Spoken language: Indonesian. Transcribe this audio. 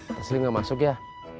taslim nggak masuk ya